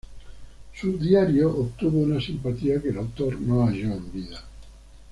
Su "Diario" obtuvo una simpatía que el autor no halló en vida.